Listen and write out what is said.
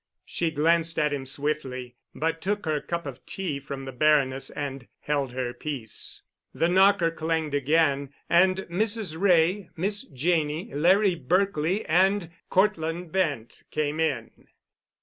She glanced at him swiftly, but took her cup of tea from the Baroness and held her peace. The knocker clanged again, and Mrs. Wray, Miss Janney, Larry Berkely, and Cortland Bent came in.